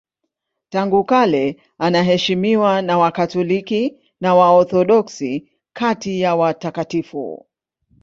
Tangu kale anaheshimiwa na Wakatoliki na Waorthodoksi kati ya watakatifu.